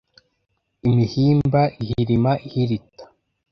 Imihimba ihirima ihirita